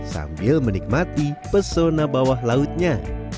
sambil menikmati pesona bawah lautnya